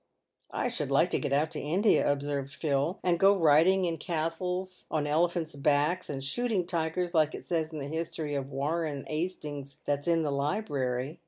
" I should like to get out to India !" observed Phil, " and go riding in castles on elephants' backs, and shooting tigers, like it says in the history of ' Warren 'Astings ' that's in the library."